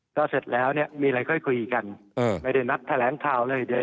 ก็เสร็จแล้วเนี่ยมีอะไรค่อยคุยกันไม่ได้นัดแถลงข่าวเลยเดี๋ยว